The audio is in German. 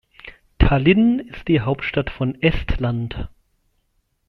Tallinn ist die Hauptstadt von Estland.